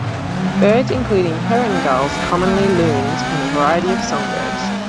Birds include herring gulls, common loons, and a variety of songbirds.